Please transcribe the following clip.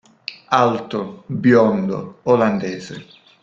Alto, biondo, olandese.